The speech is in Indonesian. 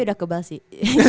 udah kebal sih